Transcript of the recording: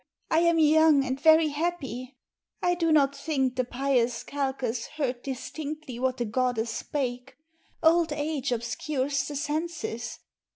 I am young and very happy. I do not think the pious Calchas heard Distinctly what the goddess spake; old age Obscures the senses.